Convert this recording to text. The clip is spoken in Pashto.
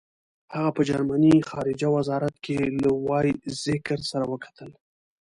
هغه په جرمني خارجه وزارت کې له وایزیکر سره وکتل.